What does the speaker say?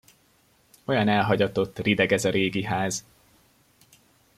Olyan elhagyatott, rideg ez a régi ház!